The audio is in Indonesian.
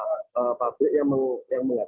tapi karena ketentuannya mengikuti harga internasional